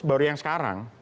baru yang sekarang